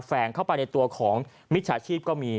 แฟนเข้าไปในตัวของมิจฉาชีพก็มี